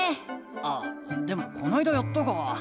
あでもこないだやったか。